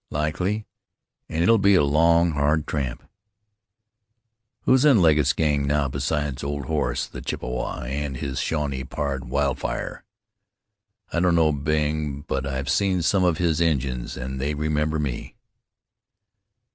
"Likely, an' it'll be a long, hard tramp." "Who's in Legget's gang now beside Old Horse, the Chippewa, an' his Shawnee pard, Wildfire? I don't know Bing; but I've seen some of his Injuns an' they remember me."